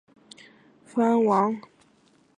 本页面列出明朝自明兴宗及明惠宗分封的藩王。